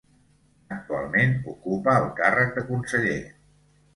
Actualment ocupa el càrrec de conseller.